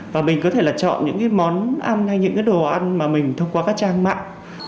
và mình có thể là chọn những món ăn hay những cái đồ ăn mà mình thông qua các trang mạng